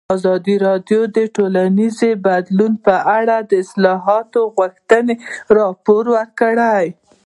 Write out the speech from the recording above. ازادي راډیو د ټولنیز بدلون په اړه د اصلاحاتو غوښتنې راپور کړې.